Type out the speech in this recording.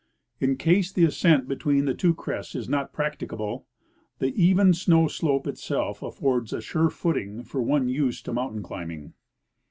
In case the ascent between the two crests is not practicable, the even snow slope itself affords a sure footing for one used to mountain climbing.